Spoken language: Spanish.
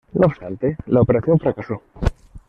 No obstante, la operación fracasó.